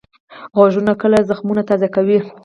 غږونه کله زخمونه تازه کوي